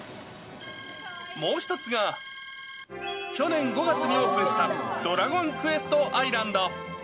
もう１つが、去年５月にオープンした、ドラゴンクエストアイランド。